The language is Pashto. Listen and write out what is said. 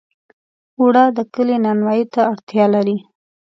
اوړه د کلي نانوایۍ ته اړتیا لري